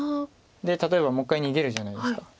例えばもう一回逃げるじゃないですか。